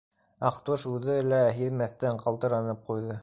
Аҡтүш үҙе лә һиҙмәҫтән ҡалтыранып ҡуйҙы.